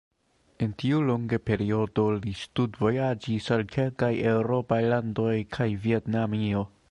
En tiu longe periodo li studvojaĝis al kelkaj eŭropaj landoj kaj Vjetnamio.